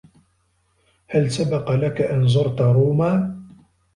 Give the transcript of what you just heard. هل سبق لك ان زرت روما ؟